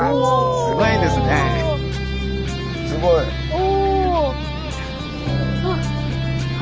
お。